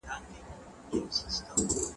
د نمک حق ادا کړئ.